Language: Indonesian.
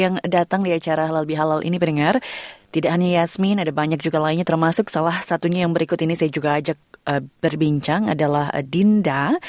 yang datang di acara halal bihalal ini mendengar tidak hanya yasmin ada banyak juga lainnya termasuk salah satunya yang berikut ini saya juga ajak berbincang adalah dinda